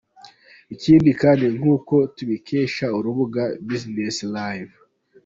Ikindi kandi nk’uko tubikesha urubuga businesslive.